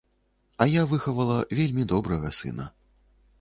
А я выхавала вельмі добрага сына.